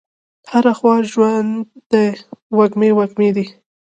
هره خوا ژوند دی وږمې، وږمې دي